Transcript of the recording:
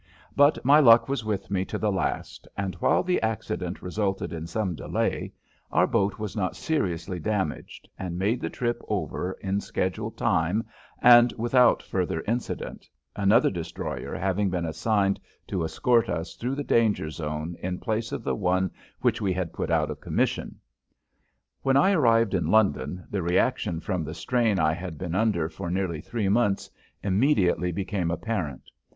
But my luck was with me to the last, and while the accident resulted in some delay, our boat was not seriously damaged and made the trip over in schedule time and without further incident, another destroyer having been assigned to escort us through the danger zone in place of the one which we had put out of commission. When I arrived in London the reaction from the strain I had been under for nearly three months immediately became apparent.